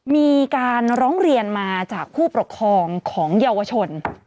มีการร้องเรียนมาจากผู้ปกครองของเยาวชน